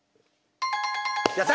やった！